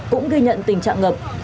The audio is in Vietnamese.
cũng ghi nhận tình trạng ngập